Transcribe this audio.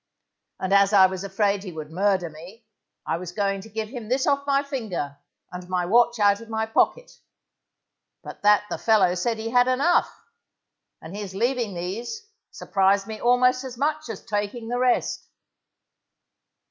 And as I was afraid he would murder me, I was going to give him this off my finger, and my watch out of my pocket, but that the fellow said he had enough, and his leaving these, surprised me almost as much as taking the rest.